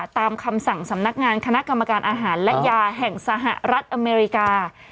ตามคำสั่งสำนักงานคณะกรรมการอาหารและยาแห่งสหรัฐอเมริกา